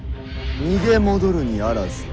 逃げ戻るにあらず。